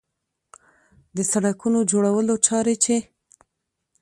د سړکونو جوړولو چارې چې